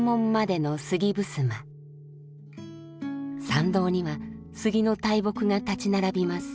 参道には杉の大木が立ち並びます。